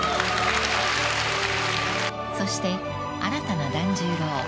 ［そして新たな團十郎］